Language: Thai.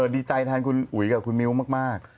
ดีใจแทนคุณอุ๋ยกับคุณมิ้วมาก